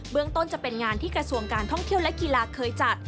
เรื่องต้นจะเป็นงานที่กระทรวงการท่องเที่ยวและกีฬาเคยจัด